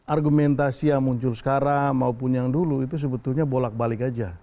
argumentasi yang muncul sekarang maupun yang dulu itu sebetulnya bolak balik aja